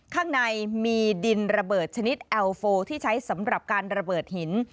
ข้างในมีดินระเบิดชนิดแอลโฟที่ใช้สำหรับการระเบิดหิน